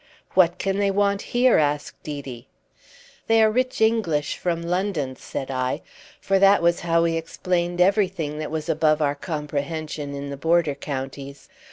"What can they want here?" asked Edie. "They are rich English from London," said I; for that was how we explained everything that was above our comprehension in the border counties.